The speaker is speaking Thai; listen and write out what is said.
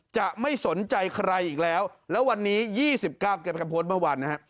จะไม่สนใจใครอีกแล้วแล้ววันนี้๒๙แกเป็นคนโพสต์เมื่อวันนะฮะ